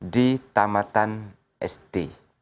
di tamatan sd